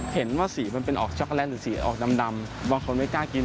เห็นว่าสีมันเป็นออกช็อกโกแลตหรือสีออกดำบางคนไม่กล้ากิน